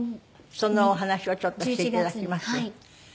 そのお話をちょっとして頂きます。